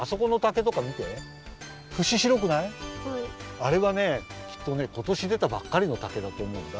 あれはねきっとねことしでたばっかりの竹だとおもうんだ。